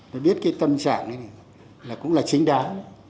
phải biết cái tâm trạng này là cũng là chính đáng